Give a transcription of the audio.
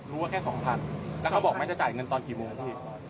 ว่าแค่สองพันแล้วเขาบอกแม่จะจ่ายเงินตอนกี่โมงครับพี่